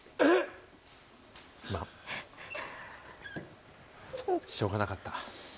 すまん、しょうがなかった。